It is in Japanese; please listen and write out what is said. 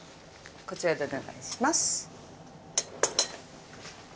こちらでお願いします。